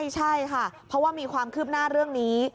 ใช่ค่ะเพราะว่ามีความคืบหน้าเรื่องนี้